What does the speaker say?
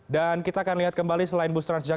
dan kita akan lihat kembali selain bus transjakarta